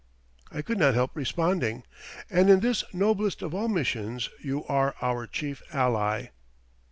I could not help responding: "And in this noblest of all missions you are our chief ally."